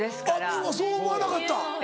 あっそう思わなかった。